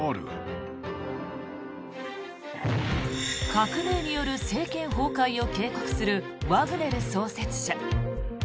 革命による政権崩壊を警告するワグネル創設者。